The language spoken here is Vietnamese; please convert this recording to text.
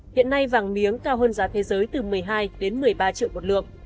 hiện nay vàng miếng cao hơn giá thế giới từ một mươi hai đến một mươi ba triệu một lượng